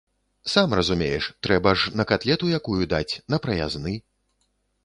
Сам разумееш, трэба ж на катлету якую даць, на праязны.